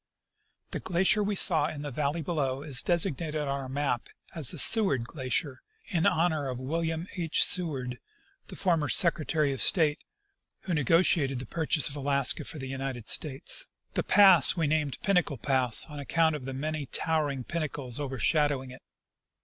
The glacier we saw in the valley below is designated on our map as the Seward glacier, in honor of William H. Seward, the former Secretary of State, who negotiated the purchase of Alaska for the United States. (129) 130 I. C. Russell — Expedition to Mount St. Ellas. The pass we named Pinnacle pass, on account of the many tow ering pmnacles overshadowmg it.